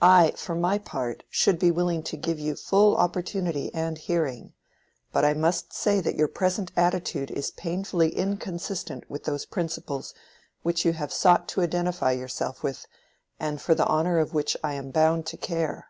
I for my part should be willing to give you full opportunity and hearing. But I must say that your present attitude is painfully inconsistent with those principles which you have sought to identify yourself with, and for the honor of which I am bound to care.